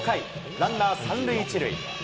ランナー３塁１塁。